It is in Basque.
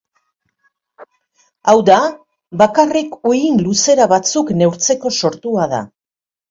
Hau da, bakarrik uhin-luzera batzuk neurtzeko sortua da.